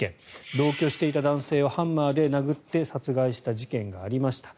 同居していた男性をハンマーで殴って殺害した事件がありました。